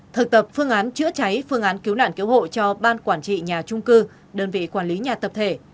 thực tập phương án chữa cháy phương án cứu nạn cứu hộ cho ban quản trị nhà trung cư đơn vị quản lý nhà tập thể